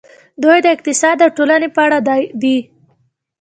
دوی د اقتصاد او ټولنې په اړه دي.